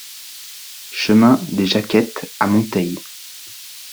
Chemin des Jaquettes à Monteils